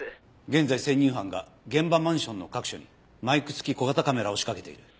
現在潜入班が現場マンションの各所にマイク付き小型カメラを仕掛けている。